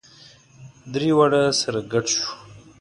درې واړه سره ګډ شوو.